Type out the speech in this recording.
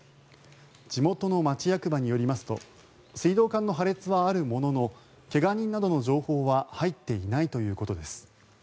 地元の町役場によりますと水道管の破裂はあるものの怪我人などの情報は入っていないということです。